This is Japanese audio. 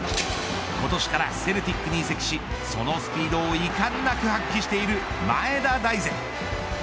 今年からセルティックに移籍しそのスピードをいかんなく発揮している前田大然。